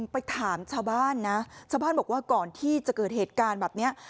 ไปถามชาวบ้านนะชาวบ้านบอกว่าก่อนที่จะเกิดเหตุการณ์แบบนี้